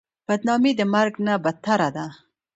بدنامي د مرګ نه بدتره ده.